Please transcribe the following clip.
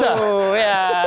siapa yang tahu bisa